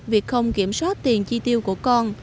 việc không kiểm soát tiền chi tiêu của con